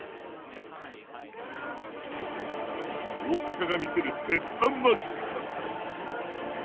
大阪が見せる鉄板マジックか。